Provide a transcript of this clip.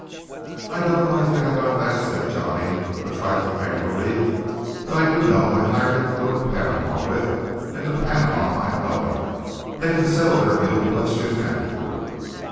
"I don't know anything about that," said Johnny, a trifle angrily, "but I do know I hired it to go to Panama with: and to Panama I'm going. They can settle their mule question afterward."